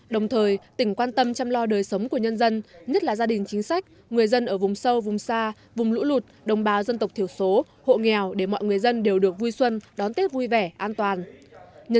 đồng thời tỉnh quan tâm chăm lo đời sống của nhân dân nhất là gia đình chính sách người dân ở vùng sâu vùng xa vùng lũ lụt đồng bào dân tộc thiểu số hộ nghèo để mọi người dân đều được vui xuân đón tết vui vẻ an toàn